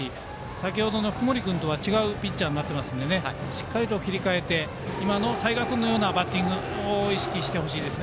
先程の福盛君とは違うピッチャーになっていますのでしっかり切り替えて齊賀君のようなバッティングを意識してほしいです。